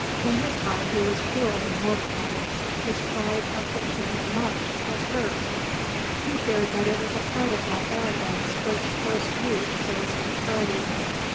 In his heart he was cruelly mortified; his pride, of which he had much, was hurt. He feared that it was a part of that arrogance which first youth shows to maturity.